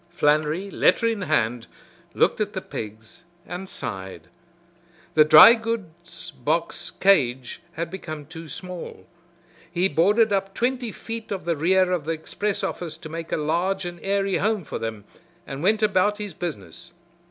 Flannery, letter in hand, looked at the pigs and sighed. The dry goods box cage had become too small. He boarded up twenty feet of the rear of the express office to make a large and airy home for them, and went about his business.